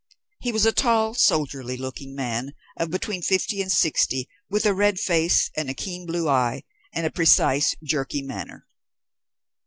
He was a tall, soldierly looking man of between fifty and sixty, with a red face and a keen blue eye, and a precise, jerky manner.